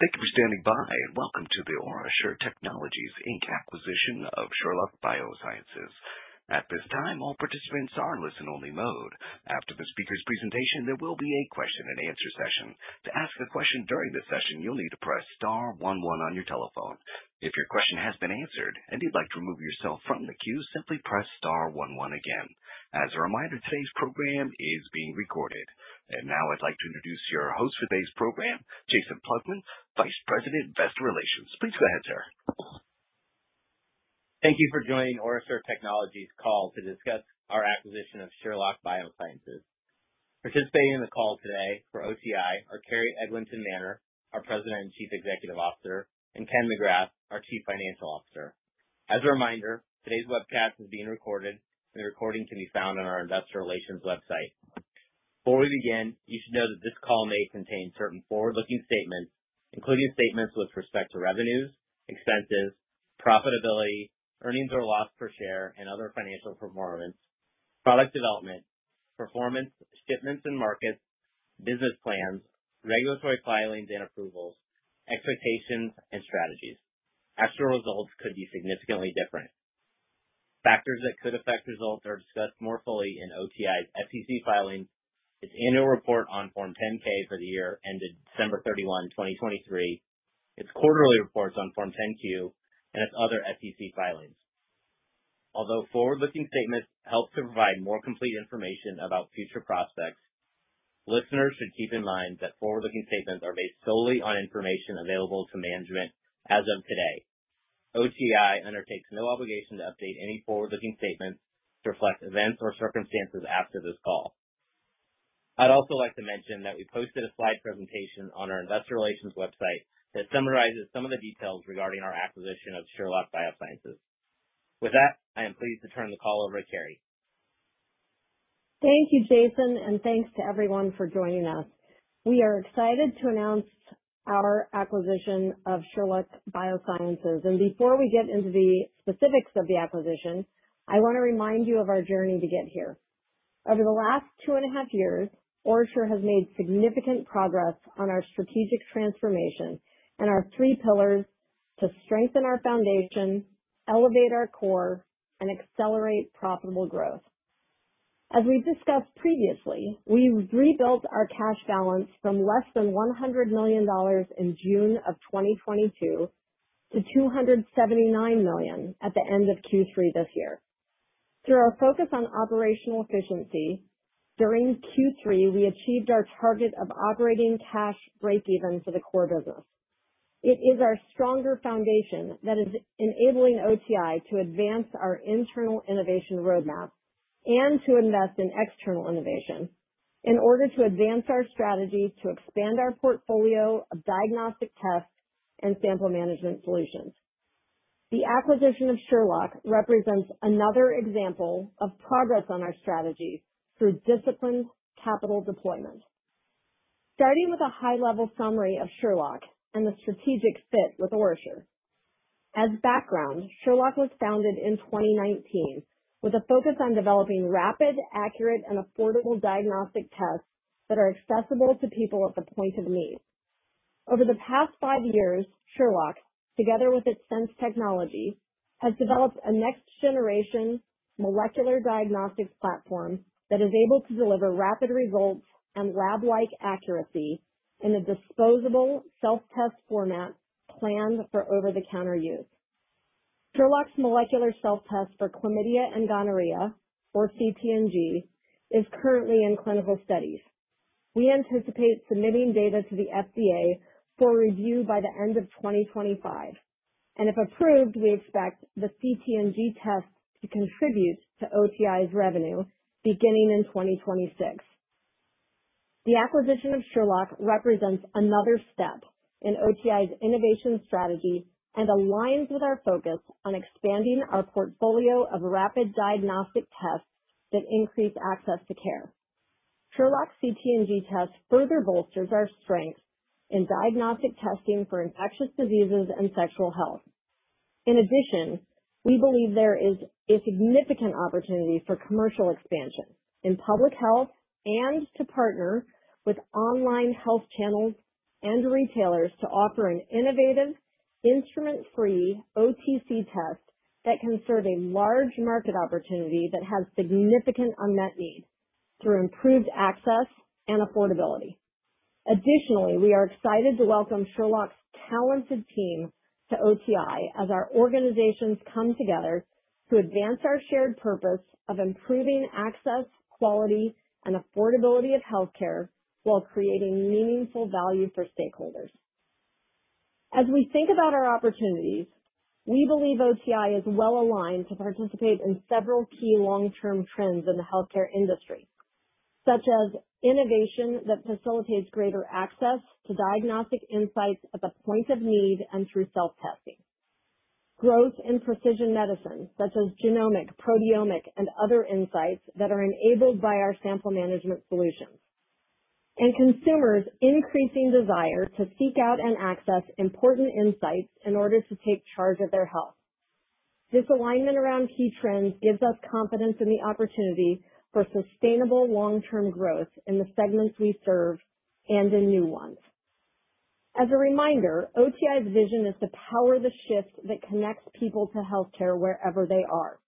Thank you for standing by, and welcome to the OraSure Technologies Inc. acquisition of Sherlock Biosciences. At this time, all participants are in listen-only mode. After the speaker's presentation, there will be a question-and-answer session. To ask a question during this session, you'll need to press star 11 on your telephone. If your question has been answered and you'd like to remove yourself from the queue, simply press star 11 again. As a reminder, today's program is being recorded. And now I'd like to introduce your host for today's program, Jason Plagman, Vice President, Investor Relations. Please go ahead, sir. Thank you for joining OraSure Technologies' call to discuss our acquisition of Sherlock Biosciences. Participating in the call today for OraSure are Carrie Eglinton Manner, our President and Chief Executive Officer, and Ken McGrath, our Chief Financial Officer. As a reminder, today's webcast is being recorded, and the recording can be found on our Investor Relations website. Before we begin, you should know that this call may contain certain forward-looking statements, including statements with respect to revenues, expenses, profitability, earnings or loss per share, and other financial performance, product development, performance, shipments and markets, business plans, regulatory filings and approvals, expectations, and strategies. Actual results could be significantly different. Factors that could affect results are discussed more fully in OraSure's SEC filings, its annual report on Form 10-K for the year ended December 31, 2023, its quarterly reports on Form 10-Q, and its other SEC filings. Although forward-looking statements help to provide more complete information about future prospects, listeners should keep in mind that forward-looking statements are based solely on information available to management as of today. OraSure Technologies undertakes no obligation to update any forward-looking statements to reflect events or circumstances after this call. I'd also like to mention that we posted a slide presentation on our Investor Relations website that summarizes some of the details regarding our acquisition of Sherlock Biosciences. With that, I am pleased to turn the call over to Carrie. Thank you, Jason, and thanks to everyone for joining us. We are excited to announce our acquisition of Sherlock Biosciences, and before we get into the specifics of the acquisition, I want to remind you of our journey to get here. Over the last two and a half years, OraSure has made significant progress on our strategic transformation and our three pillars to strengthen our foundation, elevate our core, and accelerate profitable growth. As we've discussed previously, we've rebuilt our cash balance from less than $100 million in June of 2022 to $279 million at the end of Q3 this year. Through our focus on operational efficiency during Q3, we achieved our target of operating cash break-even for the core business. It is our stronger foundation that is enabling OraSure to advance our internal innovation roadmap and to invest in external innovation in order to advance our strategy to expand our portfolio of diagnostic tests and sample management solutions. The acquisition of Sherlock represents another example of progress on our strategy through disciplined capital deployment. Starting with a high-level summary of Sherlock and the strategic fit with OraSure. As background, Sherlock was founded in 2019 with a focus on developing rapid, accurate, and affordable diagnostic tests that are accessible to people at the point of need. Over the past five years, Sherlock, together with its Sense Technologies, has developed a next-generation molecular diagnostics platform that is able to deliver rapid results and lab-like accuracy in a disposable self-test format planned for over-the-counter use. Sherlock's molecular self-test for Chlamydia and Gonorrhea, or CT&G, is currently in clinical studies. We anticipate submitting data to the FDA for review by the end of 2025, and if approved, we expect the CT&G tests to contribute to OraSure Technologies, Inc. (OTI)'s revenue beginning in 2026. The acquisition of Sherlock represents another step in OTI's innovation strategy and aligns with our focus on expanding our portfolio of rapid diagnostic tests that increase access to care. Sherlock's CT&G test further bolsters our strength in diagnostic testing for infectious diseases and sexual health. In addition, we believe there is a significant opportunity for commercial expansion in public health and to partner with online health channels and retailers to offer an innovative, instrument-free OTC test that can serve a large market opportunity that has significant unmet need through improved access and affordability. Additionally, we are excited to welcome Sherlock's talented team to OraSure Technologies as our organizations come together to advance our shared purpose of improving access, quality, and affordability of healthcare while creating meaningful value for stakeholders. As we think about our opportunities, we believe OraSure Technologies is well aligned to participate in several key long-term trends in the healthcare industry, such as innovation that facilitates greater access to diagnostic insights at the point of need and through self-testing, growth in precision medicine, such as genomic, proteomic, and other insights that are enabled by our sample management solutions, and consumers' increasing desire to seek out and access important insights in order to take charge of their health. This alignment around key trends gives us confidence in the opportunity for sustainable long-term growth in the segments we serve and in new ones. As a reminder, OTI's vision is to power the shift that connects people to healthcare wherever they are,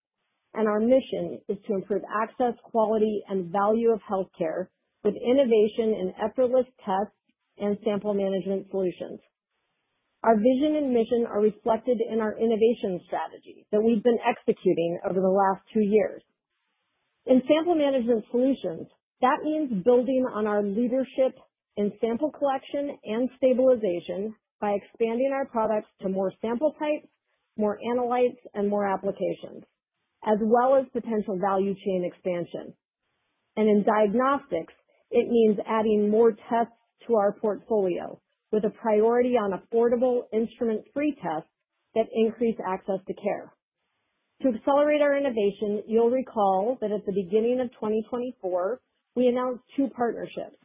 and our mission is to improve access, quality, and value of healthcare with innovation in effortless tests and sample management solutions. Our vision and mission are reflected in our innovation strategy that we've been executing over the last two years. In sample management solutions, that means building on our leadership in sample collection and stabilization by expanding our products to more sample types, more analytes, and more applications, as well as potential value chain expansion. And in diagnostics, it means adding more tests to our portfolio with a priority on affordable, instrument-free tests that increase access to care. To accelerate our innovation, you'll recall that at the beginning of 2024, we announced two partnerships: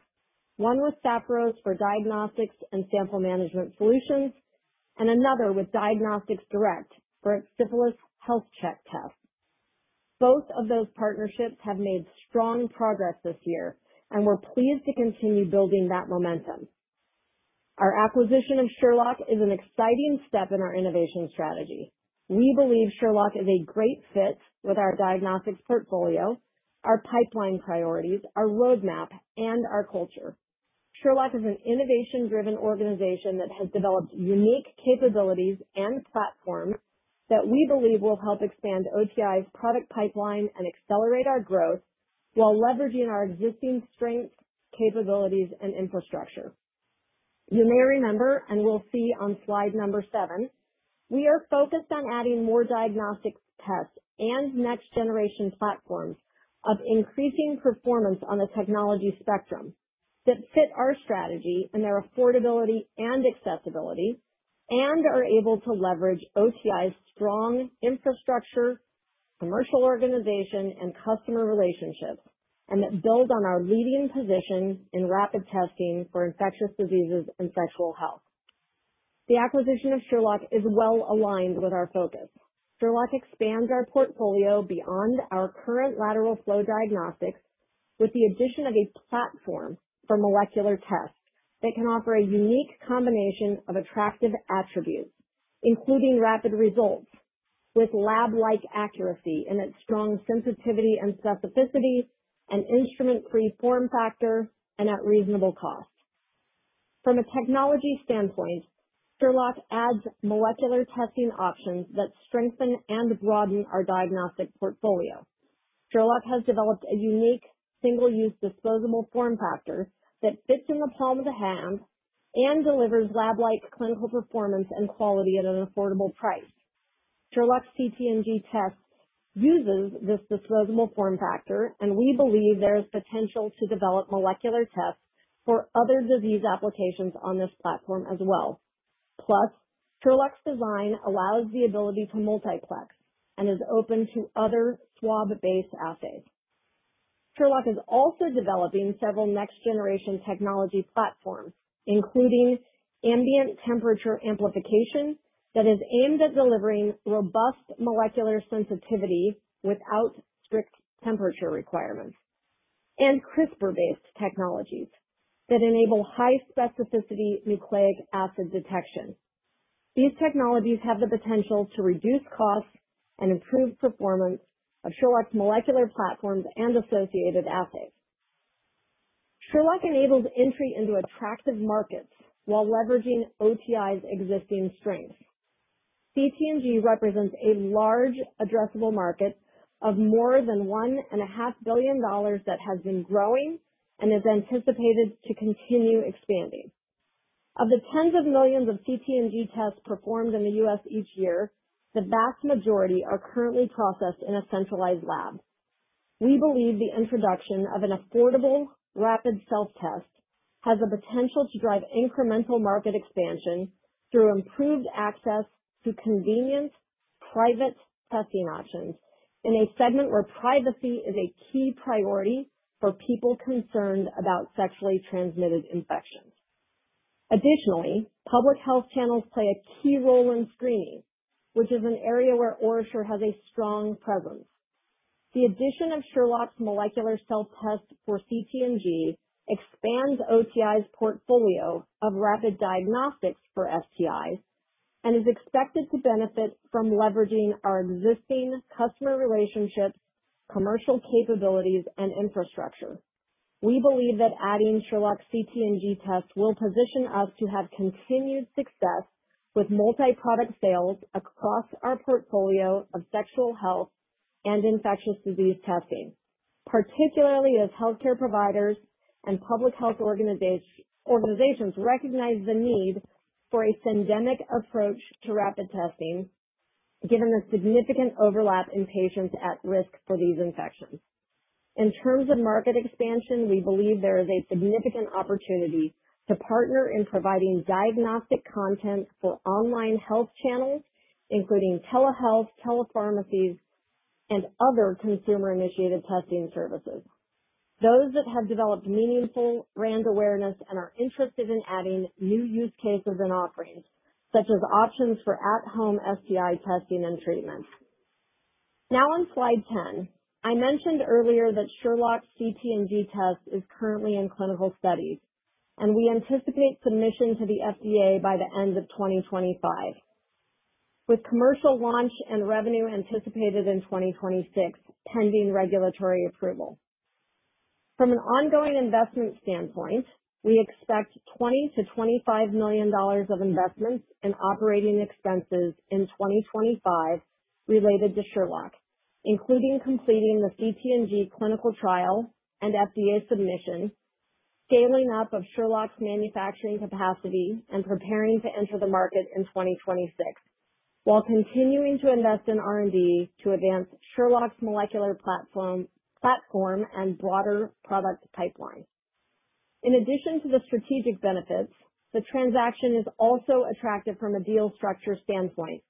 one with Sappheros for diagnostics and sample management solutions and another with Diagnostics Direct for Syphilis Health Check tests. Both of those partnerships have made strong progress this year, and we're pleased to continue building that momentum. Our acquisition of Sherlock is an exciting step in our innovation strategy. We believe Sherlock is a great fit with our diagnostics portfolio, our pipeline priorities, our roadmap, and our culture. Sherlock is an innovation-driven organization that has developed unique capabilities and platforms that we believe will help expand OTI's product pipeline and accelerate our growth while leveraging our existing strengths, capabilities, and infrastructure. You may remember, and we'll see on slide number seven, we are focused on adding more diagnostic tests and next-generation platforms of increasing performance on the technology spectrum that fit our strategy in their affordability and accessibility and are able to leverage OTI's strong infrastructure, commercial organization, and customer relationships, and that build on our leading position in rapid testing for infectious diseases and sexual health. The acquisition of Sherlock is well aligned with our focus. Sherlock expands our portfolio beyond our current lateral flow diagnostics with the addition of a platform for molecular tests that can offer a unique combination of attractive attributes, including rapid results with lab-like accuracy in its strong sensitivity and specificity, an instrument-free form factor, and at reasonable cost. From a technology standpoint, Sherlock adds molecular testing options that strengthen and broaden our diagnostic portfolio. Sherlock has developed a unique single-use disposable form factor that fits in the palm of the hand and delivers lab-like clinical performance and quality at an affordable price. Sherlock's CT&G test uses this disposable form factor, and we believe there is potential to develop molecular tests for other disease applications on this platform as well. Plus, Sherlock's design allows the ability to multiplex and is open to other swab-based assays. Sherlock is also developing several next-generation technology platforms, including ambient temperature amplification that is aimed at delivering robust molecular sensitivity without strict temperature requirements, and CRISPR-based technologies that enable high-specificity nucleic acid detection. These technologies have the potential to reduce costs and improve performance of Sherlock's molecular platforms and associated assays. Sherlock enables entry into attractive markets while leveraging OTI's existing strengths. CT&G represents a large addressable market of more than $1.5 billion that has been growing and is anticipated to continue expanding. Of the tens of millions of CT&G tests performed in the U.S. each year, the vast majority are currently processed in a centralized lab. We believe the introduction of an affordable, rapid self-test has the potential to drive incremental market expansion through improved access to convenient private testing options in a segment where privacy is a key priority for people concerned about sexually transmitted infections. Additionally, public health channels play a key role in screening, which is an area where OraSure has a strong presence. The addition of Sherlock's molecular self-test for CT&G expands OTI's portfolio of rapid diagnostics for STIs and is expected to benefit from leveraging our existing customer relationships, commercial capabilities, and infrastructure. We believe that adding Sherlock's CT&G test will position us to have continued success with multi-product sales across our portfolio of sexual health and infectious disease testing, particularly as healthcare providers and public health organizations recognize the need for a syndemic approach to rapid testing, given the significant overlap in patients at risk for these infections. In terms of market expansion, we believe there is a significant opportunity to partner in providing diagnostic content for online health channels, including telehealth, telepharmacies, and other consumer-initiated testing services, those that have developed meaningful brand awareness and are interested in adding new use cases and offerings, such as options for at-home STI testing and treatment. Now, on Slide 10, I mentioned earlier that Sherlock's CT&G test is currently in clinical studies, and we anticipate submission to the FDA by the end of 2025, with commercial launch and revenue anticipated in 2026, pending regulatory approval. From an ongoing investment standpoint, we expect $20-$25 million of investments in operating expenses in 2025 related to Sherlock, including completing the CT&G clinical trial and FDA submission, scaling up of Sherlock's manufacturing capacity, and preparing to enter the market in 2026, while continuing to invest in R&D to advance Sherlock's molecular platform and broader product pipeline. In addition to the strategic benefits, the transaction is also attractive from a deal structure standpoint,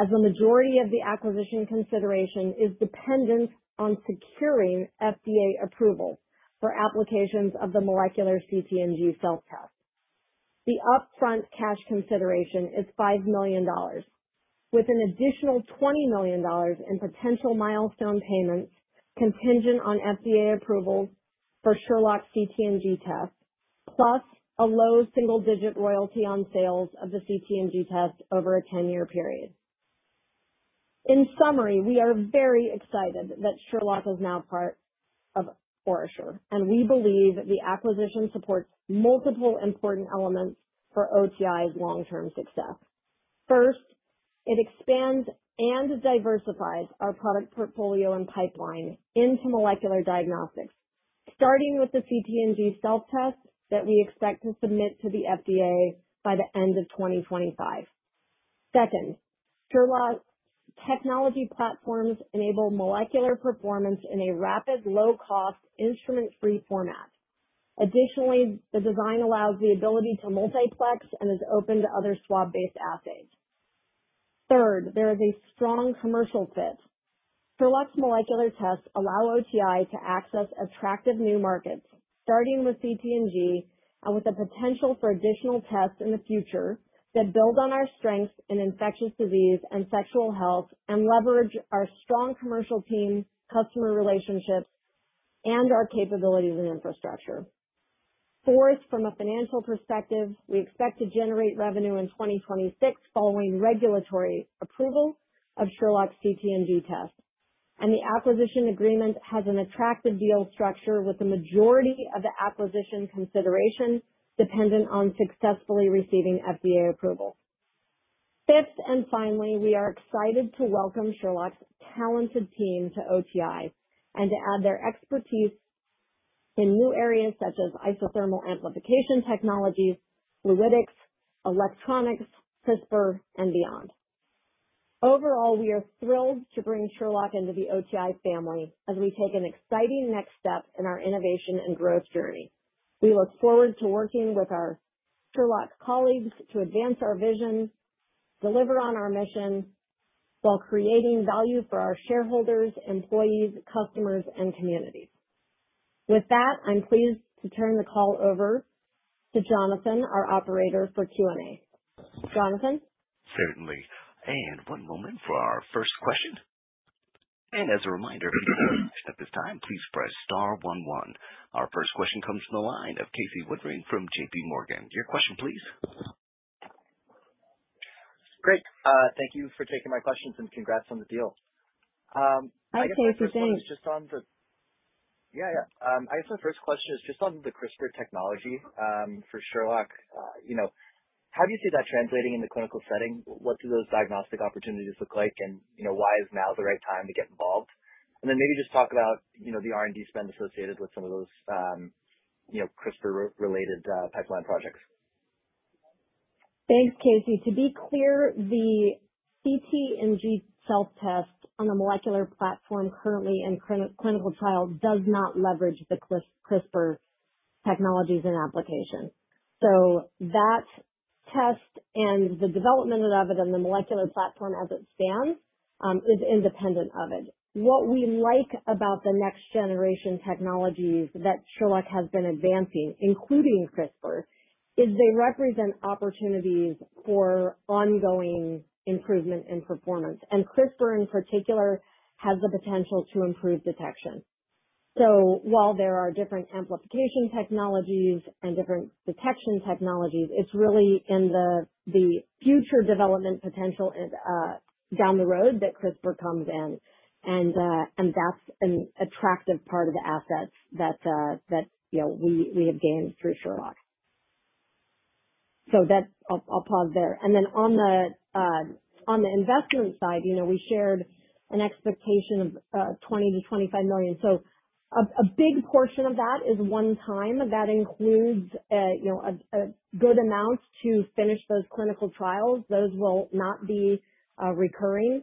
as the majority of the acquisition consideration is dependent on securing FDA approval for applications of the molecular CT&G self-test. The upfront cash consideration is $5 million, with an additional $20 million in potential milestone payments contingent on FDA approval for Sherlock's CT&G test, plus a low single-digit royalty on sales of the CT&G test over a 10-year period. In summary, we are very excited that Sherlock is now part of OraSure, and we believe the acquisition supports multiple important elements for OTI's long-term success. First, it expands and diversifies our product portfolio and pipeline into molecular diagnostics, starting with the CT&G self-test that we expect to submit to the FDA by the end of 2025. Second, Sherlock's technology platforms enable molecular performance in a rapid, low-cost, instrument-free format. Additionally, the design allows the ability to multiplex and is open to other swab-based assays. Third, there is a strong commercial fit. Sherlock's molecular tests allow OTI to access attractive new markets, starting with CT&G and with the potential for additional tests in the future that build on our strengths in infectious disease and sexual health and leverage our strong commercial team, customer relationships, and our capabilities and infrastructure. Fourth, from a financial perspective, we expect to generate revenue in 2026 following regulatory approval of Sherlock's CT&G test. And the acquisition agreement has an attractive deal structure with the majority of the acquisition consideration dependent on successfully receiving FDA approval. Fifth, and finally, we are excited to welcome Sherlock's talented team to OTI and to add their expertise in new areas such as isothermal amplification technologies, fluidics, electronics, CRISPR, and beyond. Overall, we are thrilled to bring Sherlock into the OTI family as we take an exciting next step in our innovation and growth journey. We look forward to working with our Sherlock colleagues to advance our vision, deliver on our mission while creating value for our shareholders, employees, customers, and communities. With that, I'm pleased to turn the call over to Jonathan, our operator for Q&A. Jonathan? Certainly. And one moment for our first question. As a reminder, at this time, please press star 11. Our first question comes from the line of Casey Woodring from JPMorgan. Your question, please. Great. Thank you for taking my questions and congrats on the deal. Hi, Casey. I guess my first question is just on the CRISPR technology for Sherlock. How do you see that translating in the clinical setting? What do those diagnostic opportunities look like, and why is now the right time to get involved? And then maybe just talk about the R&D spend associated with some of those CRISPR-related pipeline projects. Thanks, Casey. To be clear, the CT&G self-test on the molecular platform currently in clinical trial does not leverage the CRISPR technologies and application. So that test and the development of it and the molecular platform as it stands is independent of it. What we like about the next-generation technologies that Sherlock has been advancing, including CRISPR, is they represent opportunities for ongoing improvement in performance, and CRISPR, in particular, has the potential to improve detection, so while there are different amplification technologies and different detection technologies, it's really in the future development potential down the road that CRISPR comes in, and that's an attractive part of the assets that we have gained through Sherlock, so I'll pause there, and then on the investment side, we shared an expectation of $20-$25 million, so a big portion of that is one-time. That includes a good amount to finish those clinical trials. Those will not be recurring.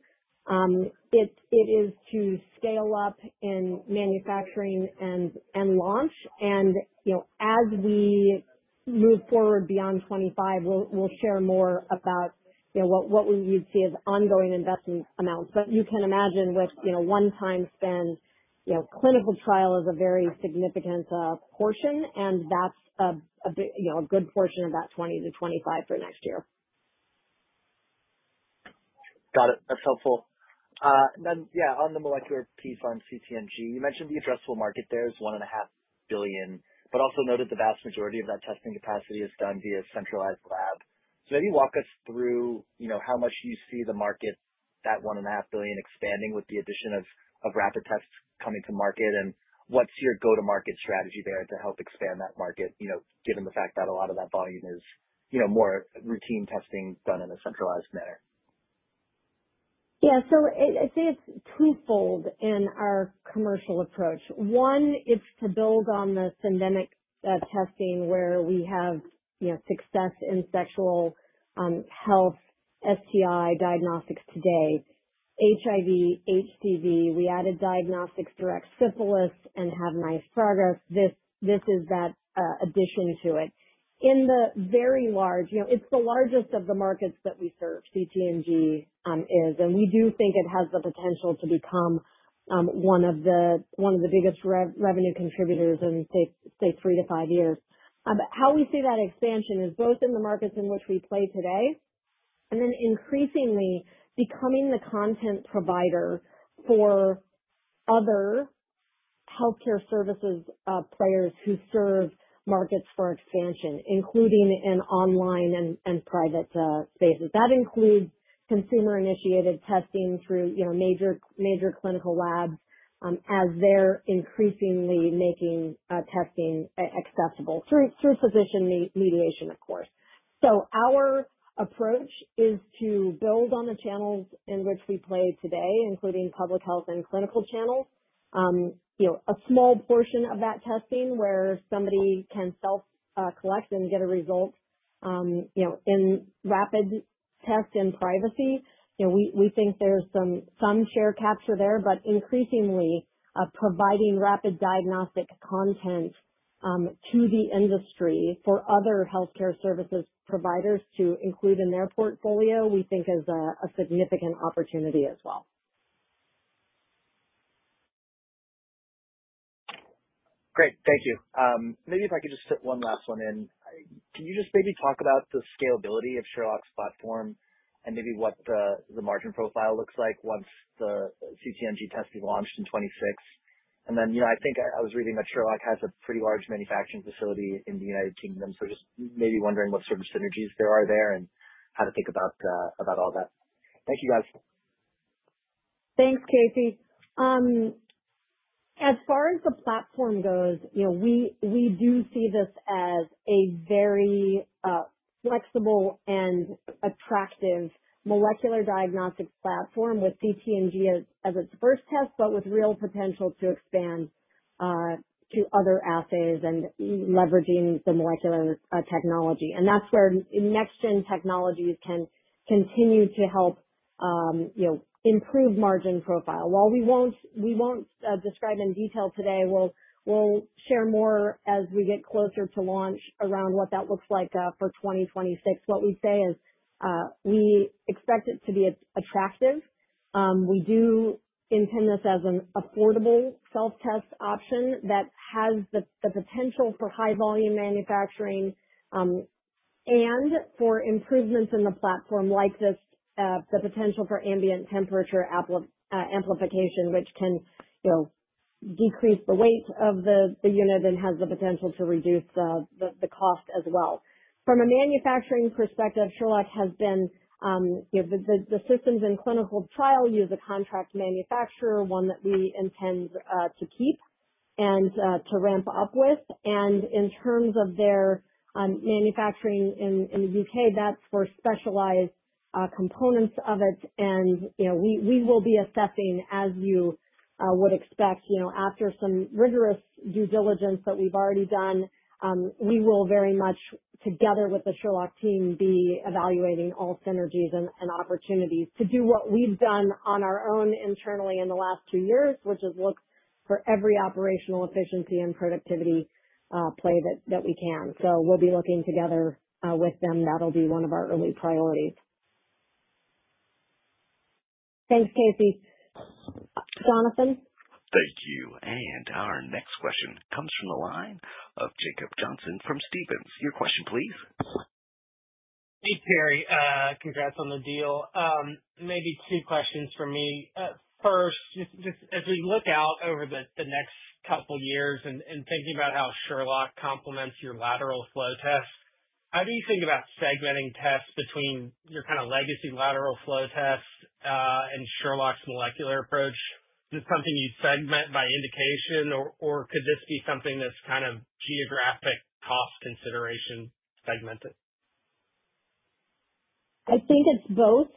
It is to scale up in manufacturing and launch, and as we move forward beyond 2025, we'll share more about what we would see as ongoing investment amounts. But you can imagine with one-time spend, clinical trial is a very significant portion, and that's a good portion of that $20-$25 for next year. Got it. That's helpful. Then, yeah, on the molecular piece on CT&G, you mentioned the addressable market there is $1.5 billion, but also noted the vast majority of that testing capacity is done via centralized lab. So maybe walk us through how much you see the market, that $1.5 billion, expanding with the addition of rapid tests coming to market, and what's your go-to-market strategy there to help expand that market, given the fact that a lot of that volume is more routine testing done in a centralized manner? Yeah. So I'd say it's twofold in our commercial approach. One, it's to build on the syndemic testing where we have success in sexual health STI diagnostics today, HIV, HCV. We added diagnostics to our portfolio and have nice progress. This is that addition to it. It's a very large, it's the largest of the markets that we serve, CT&G is, and we do think it has the potential to become one of the biggest revenue contributors in, say, three to five years. How we see that expansion is both in the markets in which we play today and then increasingly becoming the content provider for other healthcare services players who serve markets for expansion, including in online and private spaces. That includes consumer-initiated testing through major clinical labs as they're increasingly making testing accessible through physician mediation, of course. So our approach is to build on the channels in which we play today, including public health and clinical channels. A small portion of that testing where somebody can self-collect and get a result in rapid test in privacy, we think there's some share capture there, but increasingly providing rapid diagnostic content to the industry for other healthcare services providers to include in their portfolio, we think, is a significant opportunity as well. Great. Thank you. Maybe if I could just fit one last one in. Can you just maybe talk about the scalability of Sherlock's platform and maybe what the margin profile looks like once the CT&G test is launched in 2026? And then I think I was reading that Sherlock has a pretty large manufacturing facility in the United Kingdom, so just maybe wondering what sort of synergies there are there and how to think about all that. Thank you, guys. Thanks, Casey. As far as the platform goes, we do see this as a very flexible and attractive molecular diagnostic platform with CT&G as its first test, but with real potential to expand to other assays and leveraging the molecular technology, and that's where next-gen technologies can continue to help improve margin profile. While we won't describe in detail today, we'll share more as we get closer to launch around what that looks like for 2026. What we say is we expect it to be attractive. We do intend this as an affordable self-test option that has the potential for high-volume manufacturing and for improvements in the platform like this, the potential for ambient temperature amplification, which can decrease the weight of the unit and has the potential to reduce the cost as well. From a manufacturing perspective, Sherlock has been. The systems in clinical trial use a contract manufacturer, one that we intend to keep and to ramp up with. In terms of their manufacturing in the U.K., that's for specialized components of it. We will be assessing, as you would expect, after some rigorous due diligence that we've already done. We will very much, together with the Sherlock team, be evaluating all synergies and opportunities to do what we've done on our own internally in the last two years, which is look for every operational efficiency and productivity play that we can. So we'll be looking together with them. That'll be one of our early priorities. Thanks, Casey. Jonathan? Thank you. Our next question comes from the line of Jacob Johnson from Stephens. Your question, please. Hey, Carrie. Congrats on the deal. Maybe two questions for me. First, just as we look out over the next couple of years and thinking about how Sherlock complements your lateral flow test, how do you think about segmenting tests between your kind of legacy lateral flow tests and Sherlock's molecular approach? Is it something you'd segment by indication, or could this be something that's kind of geographic cost consideration segmented? I think it's both.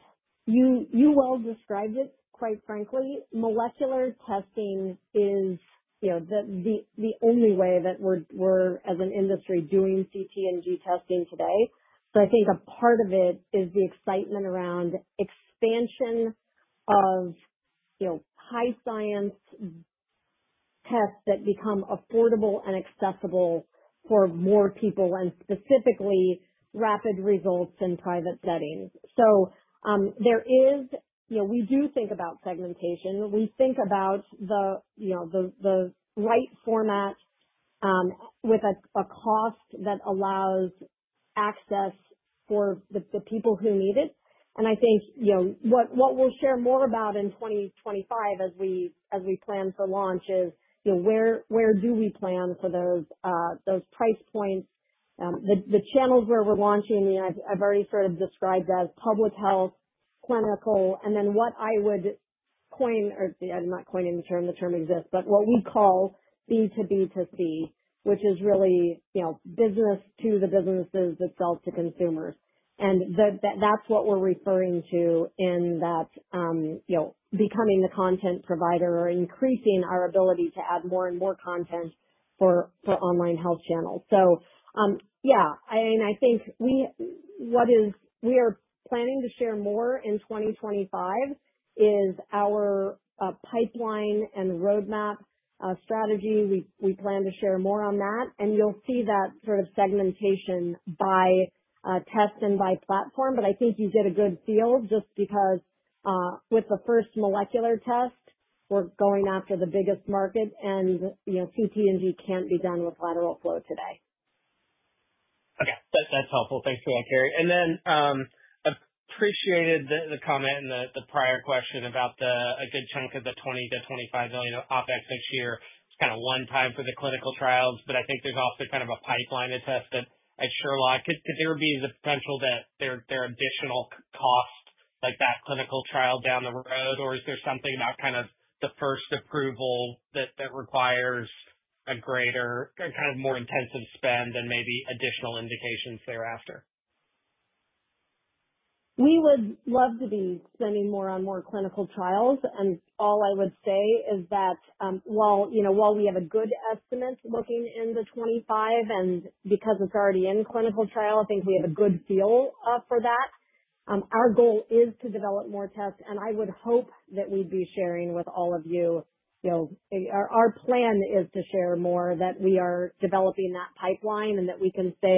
You well described it, quite frankly. Molecular testing is the only way that we're, as an industry, doing CT&G testing today. So I think a part of it is the excitement around expansion of high-science tests that become affordable and accessible for more people and specifically rapid results in private settings. So, there is. We do think about segmentation. We think about the right format with a cost that allows access for the people who need it. And I think what we'll share more about in 2025 as we plan for launch is where do we plan for those price points. The channels where we're launching, I've already sort of described as public health, clinical, and then what I would coin or I'm not coining the term. The term exists. But what we call B2B2C, which is really business to the businesses itself to consumers. And that's what we're referring to in that becoming the content provider or increasing our ability to add more and more content for online health channels. So yeah, I mean, I think what is we are planning to share more in 2025 is our pipeline and roadmap strategy. We plan to share more on that. And you'll see that sort of segmentation by test and by platform. But I think you get a good feel just because with the first molecular test, we're going after the biggest market, and CT&G can't be done with lateral flow today. Okay. That's helpful. Thanks for that, Carrie. And then I appreciated the comment in the prior question about a good chunk of the $20-$25 million OpEx next year. It's kind of one-time for the clinical trials, but I think there's also kind of a pipeline to test it at Sherlock. Could there be the potential that there are additional costs like that clinical trial down the road, or is there something about kind of the first approval that requires a greater kind of more intensive spend and maybe additional indications thereafter? We would love to be spending more on more clinical trials. And all I would say is that while we have a good estimate looking in the 2025 and because it's already in clinical trial, I think we have a good feel for that. Our goal is to develop more tests, and I would hope that we'd be sharing with all of you. Our plan is to share more that we are developing that pipeline and that we can say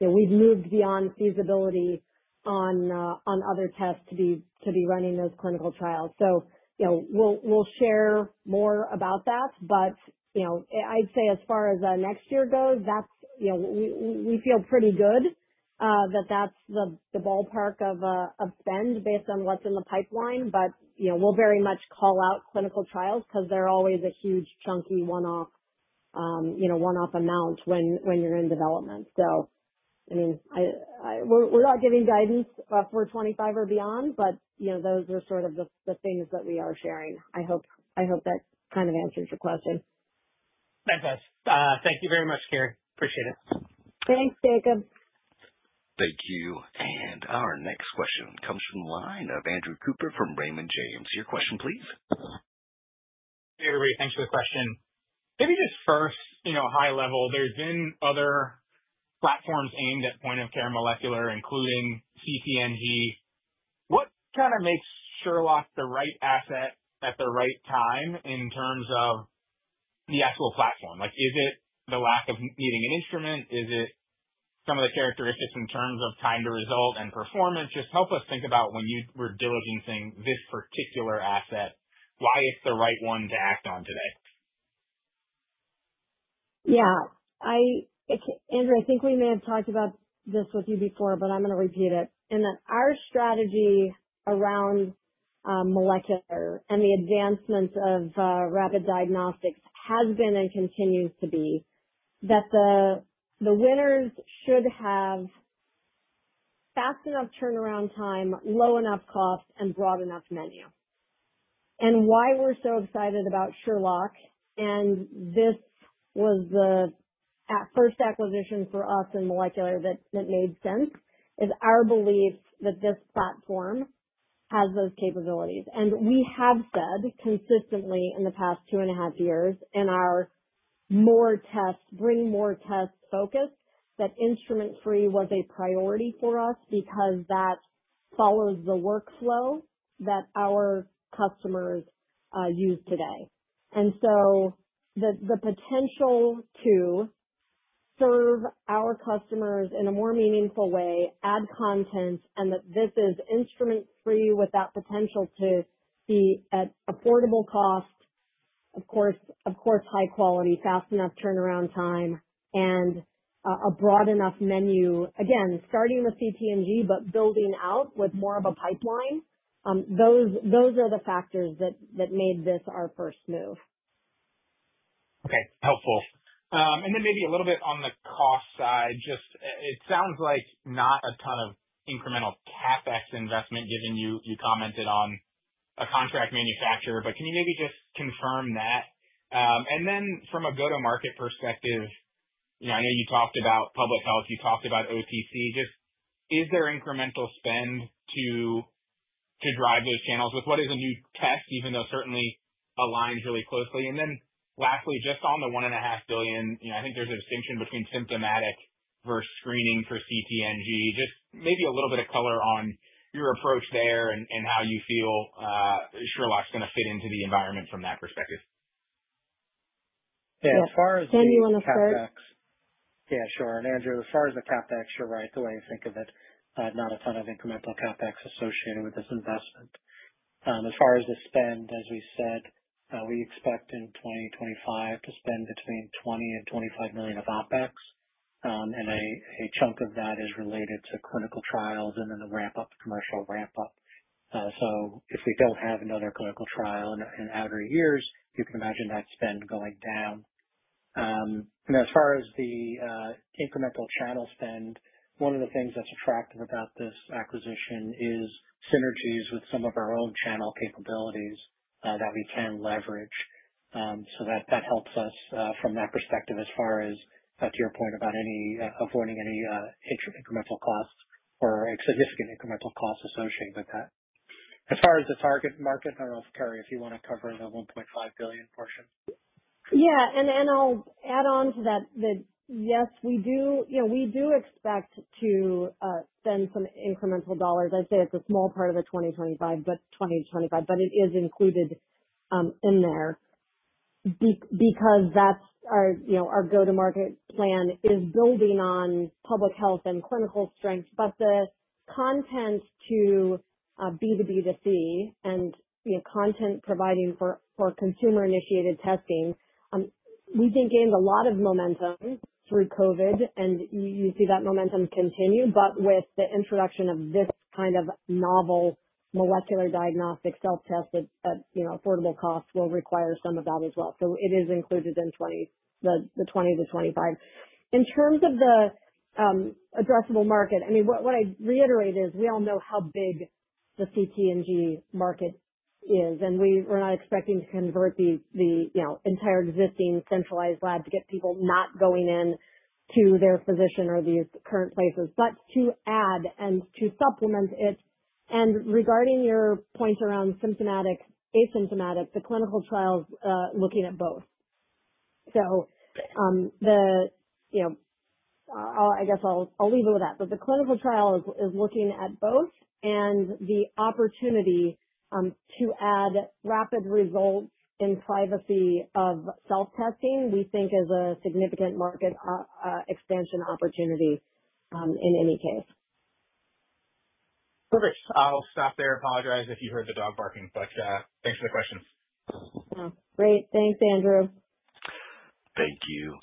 we've moved beyond feasibility on other tests to be running those clinical trials. So we'll share more about that. But I'd say as far as next year goes, we feel pretty good that that's the ballpark of spend based on what's in the pipeline. But we'll very much call out clinical trials because they're always a huge chunky one-off amount when you're in development. So I mean, we're not giving guidance for '25 or beyond, but those are sort of the things that we are sharing. I hope that kind of answers your question. That does. Thank you very much, Carrie. Appreciate it. Thanks, Jacob. Thank you. And our next question comes from the line of Andrew Cooper from Raymond James. Your question, please. Hey, everybody. Thanks for the question. Maybe just first, high level, there's been other platforms aimed at point-of-care molecular, including CT&G. What kind of makes Sherlock the right asset at the right time in terms of the actual platform? Is it the lack of needing an instrument? Is it some of the characteristics in terms of time to result and performance? Just help us think about when you were diligencing this particular asset, why it's the right one to act on today. Yeah. Andrew, I think we may have talked about this with you before, but I'm going to repeat it, and that our strategy around molecular and the advancements of rapid diagnostics has been and continues to be that the winners should have fast enough turnaround time, low enough cost, and broad enough menu, and why we're so excited about Sherlock, and this was the first acquisition for us in molecular that made sense, is our belief that this platform has those capabilities, and we have said consistently in the past two and a half years in our more tests, bring more tests focus, that instrument-free was a priority for us because that follows the workflow that our customers use today. And so the potential to serve our customers in a more meaningful way, add content, and that this is instrument-free with that potential to be at affordable cost, of course, high quality, fast enough turnaround time, and a broad enough menu, again, starting with CT&G, but building out with more of a pipeline. Those are the factors that made this our first move. Okay. Helpful. And then maybe a little bit on the cost side. Just it sounds like not a ton of incremental CapEx investment, given you commented on a contract manufacturer. But can you maybe just confirm that? And then from a go-to-market perspective, I know you talked about public health. You talked about OTC. Just is there incremental spend to drive those channels with what is a new test, even though certainly aligns really closely? Then lastly, just on the one and a half billion, I think there's a distinction between symptomatic versus screening for CT&G. Just maybe a little bit of color on your approach there and how you feel Sherlock's going to fit into the environment from that perspective. Yeah. As far as CapEx. Yeah, sure. And Andrew, as far as the CapEx, you're right. The way I think of it, not a ton of incremental CapEx associated with this investment. As far as the spend, as we said, we expect in 2025 to spend between 20 and 25 million of OpEx, and a chunk of that is related to clinical trials and then the ramp-up, commercial ramp-up. So if we don't have another clinical trial in outer years, you can imagine that spend going down. As far as the incremental channel spend, one of the things that's attractive about this acquisition is synergies with some of our own channel capabilities that we can leverage. So that helps us from that perspective as far as, to your point, about avoiding any incremental costs or significant incremental costs associated with that. As far as the target market, I don't know if, Carrie, you want to cover the 1.5 billion portion. Yeah. And I'll add on to that that, yes, we do expect to spend some incremental dollars. I'd say it's a small part of the 2025, but it is included in there because our go-to-market plan is building on public health and clinical strength. But the content to B2B2C and content providing for consumer-initiated testing, we think, gained a lot of momentum through COVID, and you see that momentum continue, but with the introduction of this kind of novel molecular diagnostic self-test at affordable cost will require some of that as well. So it is included in the 20-25. In terms of the addressable market, I mean, what I reiterate is we all know how big the CT&G market is, and we're not expecting to convert the entire existing centralized lab to get people not going into their physician or these current places, but to add and to supplement it. And regarding your point around symptomatic, asymptomatic, the clinical trial's looking at both. So I guess I'll leave it with that. But the clinical trial is looking at both, and the opportunity to add rapid results in the privacy of self-testing we think is a significant market expansion opportunity in any case. Perfect. I'll stop there. I apologize if you heard the dog barking, but thanks for the questions. Great. Thanks, Andrew. Thank you.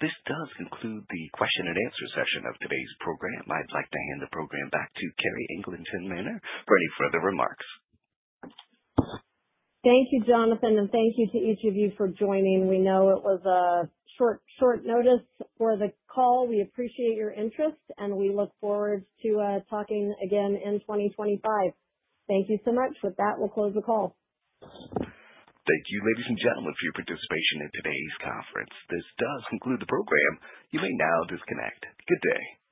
This does conclude the question and answer session of today's program. I'd like to hand the program back to Carrie Eglinton Manner for any further remarks. Thank you, Jonathan, and thank you to each of you for joining. We know it was a short notice for the call. We appreciate your interest, and we look forward to talking again in 2025. Thank you so much. With that, we'll close the call. Thank you, ladies and gentlemen, for your participation in today's conference. This does conclude the program. You may now disconnect. Good day.